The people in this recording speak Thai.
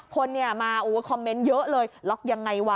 คนเนี่ยมาคอมเมนต์เยอะเลยล็อกยังไงวะ